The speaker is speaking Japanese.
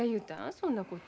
そんなこと。